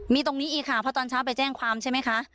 มีตรงนี้อีกค่ะเพราะตอนเช้าไปแจ้งความใช่ไหมคะ